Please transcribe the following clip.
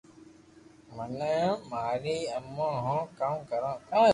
منو بي مارئي امي ھون ڪاوو ڪارو